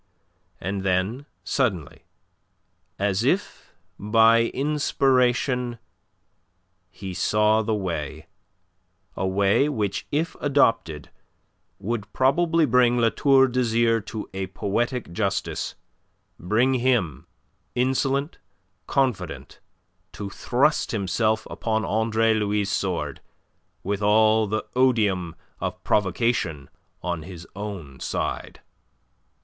And then, suddenly, as if by inspiration, he saw the way a way which if adopted would probably bring La Tour d'Azyr to a poetic justice, bring him, insolent, confident, to thrust himself upon Andre Louis' sword, with all the odium of provocation on his own side.